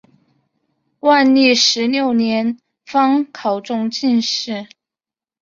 万历十六年方考中进士。